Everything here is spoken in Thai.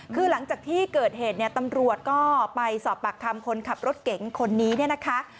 คือหลังจากที่เกิดเหตุเนี่ยตำรวจก็ไปสอบปากคำคนขับรถเก๋งคนนี้เนี่ยนะคะ